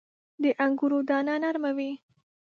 • د انګورو دانه نرمه وي.